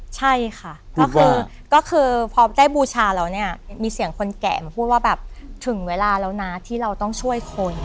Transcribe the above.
ใช่ค่ะก็คือพอได้บูชาแล้วเนี่ยมีเสียงคนแก่มาพูดว่าแบบถึงเวลาแล้วนะที่เราต้องช่วยคน